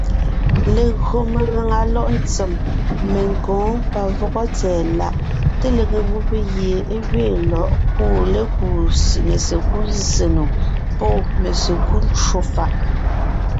Legÿo megàŋa lɔ̌ʼ ntsèm, menkǒ, pavɔgɔ tsɛ̀ɛ meláʼ, té lege gubé gie é gẅeen lɔ̌ʼ kuʼu lékúu mesekúd zsè nò pɔ́ mesekúd ncwò fàʼ.